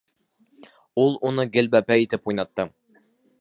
Ул уны гел бәпәй итеп уйнатты.